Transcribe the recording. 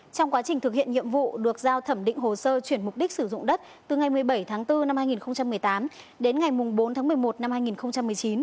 trong quá trình thực hiện nhiệm vụ được giao thẩm định hồ sơ chuyển mục đích sử dụng đất từ ngày một mươi bảy tháng bốn năm hai nghìn một mươi tám đến ngày bốn tháng một mươi một năm hai nghìn một mươi chín